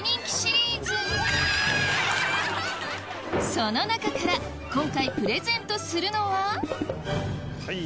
その中から今回プレゼントするのははい。